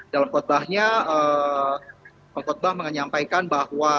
dalam khutbahnya khutbah menyampaikan bahwa